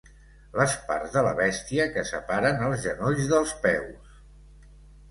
Les parts de la bèstia que separen els genolls dels peus.